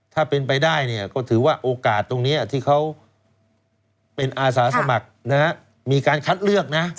ถ้าเป็นไปได้เนี่ยก็ถือว่าโอกาสตรงนี้ที่เขาเป็นอาสาสมัครมีการคัดเลือกนะ